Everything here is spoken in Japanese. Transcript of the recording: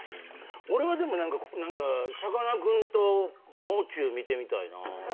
俺はさかなクンともう中見てみたいなぁ。